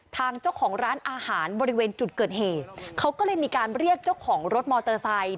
ทางเจ้าของร้านอาหารบริเวณจุดเกิดเหตุเขาก็เลยมีการเรียกเจ้าของรถมอเตอร์ไซค์